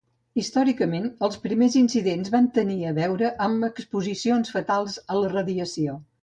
Històricament, els primers incidents van tenir a veure amb exposicions fatals a la radiació.